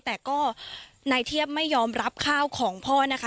แต่ก็นายเทียบไม่ยอมรับข้าวของพ่อนะคะ